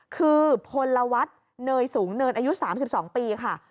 คือพลวัฒน์เนยสูงเนินอายุ๓๒ปีค่ะ